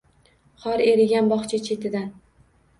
Qor erigan bog’cha chetidan